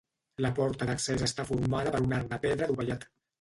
La porta d'accés està formada per un arc de pedra dovellat.